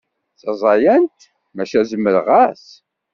D taẓayant maca zmereɣ-as.